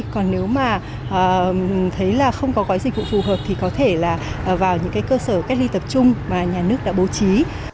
còn nếu mà thấy là không có gói dịch vụ phù hợp thì có thể là vào những cơ sở cách ly tập trung mà nhà nước đã bố trí